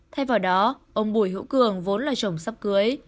thay vào đó ông bùi hữu cường vốn là chồng sắp cưới